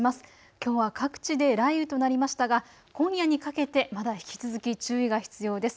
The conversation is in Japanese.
きょうは各地で雷雨となりましたが今夜にかけてまだ引き続き注意が必要です。